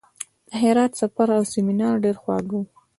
د هرات سفر او سیمینار ډېر خواږه وو.